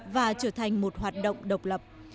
và trở thành một hoạt động độc lập